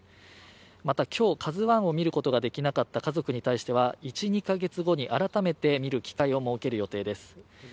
また、今日、「ＫＡＺＵⅠ」を見ることができなかった家族に対しては１、２カ月後に、改めて見る機会を設ける予定です。